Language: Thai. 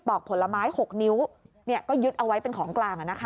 ปอกผลไม้หกนิ้วเนี่ยก็ยึดเอาไว้เป็นของกลางอ่ะนะคะ